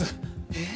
えっ？